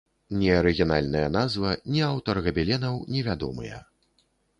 Ні арыгінальная назва, ні аўтар габеленаў невядомыя.